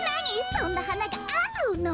そんなはながあるの？